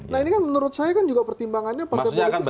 nah ini kan menurut saya juga pertimbangannya partai politik salah satu